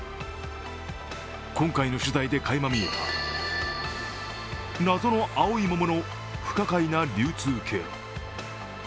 今回の取材でかいま見えた謎の青い桃の不可解な流通経路。